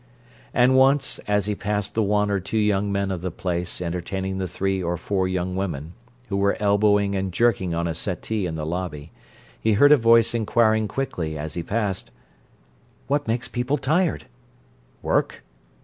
And once, as he passed the one or two young men of the place entertaining the three or four young women, who were elbowing and jerking on a settee in the lobby, he heard a voice inquiring quickly, as he passed: "What makes people tired?" "Work?"